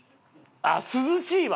あっ涼しいわ。